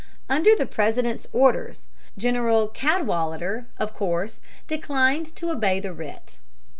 Under the President's orders, General Cadwalader of course declined to obey the writ.